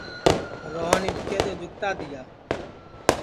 روہن اِٻکے تو جُگتا تِیا